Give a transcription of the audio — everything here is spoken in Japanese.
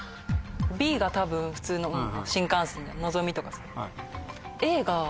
Ｂが多分普通の新幹線じゃん「のぞみ」とかさ。